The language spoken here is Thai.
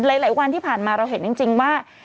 หลายวันที่ผ่านมาเราเห็นจริงว่า